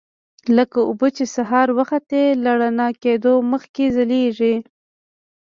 لکه اوبه چې سهار وختي له رڼا کېدو مخکې ځلیږي.